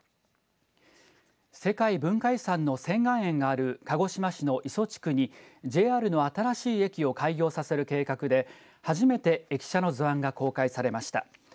世界文化遺産の仙巌園がある鹿児島市の磯地区にＪＲの新しい駅を開業させる計画で初めて駅舎の図案が公開されました。